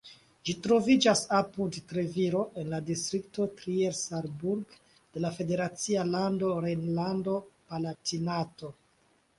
Ĝi troviĝas apud Treviro en la distrikto Trier-Saarburg de la federacia lando Rejnlando-Palatinato.